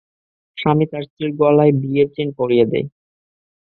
স্বামী তার স্ত্রীর গলায় বিয়ের চেইন পরিয়ে দেয়।